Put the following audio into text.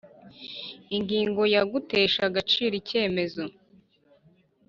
Ingingo ya Gutesha agaciro icyemezo